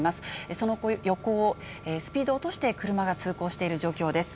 その横をスピードを落として車が通行している状況です。